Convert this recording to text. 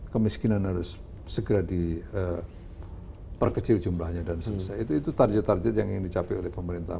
kemiskinan harus segera diperkecil jumlahnya dan seterusnya itu itu target target yang dicapai oleh pemerintah